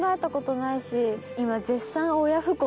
今絶賛。